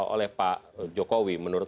oleh pak jokowi menurut